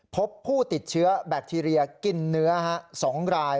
พบผู้ติดเชื้อแบคทีเรียกินเนื้อ๒ราย